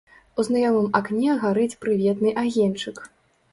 У знаёмым акне гарыць прыветны агеньчык.